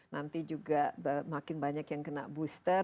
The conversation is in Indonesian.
nanti juga makin banyak yang kena booster